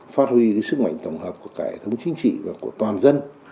phát huy sức mạnh tổng hợp của cải thống chính trị và của toàn dân